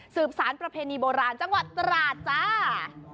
สารประเพณีโบราณจังหวัดตราดจ้า